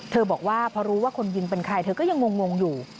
บอกว่าพอรู้ว่าคนยิงเป็นใครเธอก็ยังงงอยู่